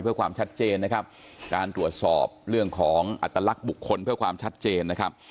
เพื่อความชัดเจนนะครับการตรวจสอบเรื่องของอัตลักษณ์บุคคลเพื่อความชัดเจนนะครับ